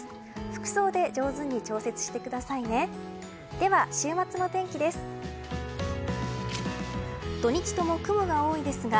服装で上手に調節してくださいね。